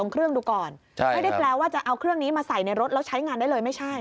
ไม่ได้แปลว่าจะเอาเครื่องนี้มาใส่ในรถแล้วใช้งานได้เลยไม่ใช่